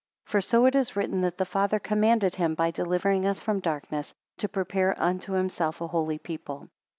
20 For so it is written that the father commanded him by delivering us from darkness, to prepare unto himself a holy people.